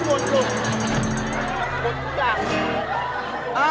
คุณเออ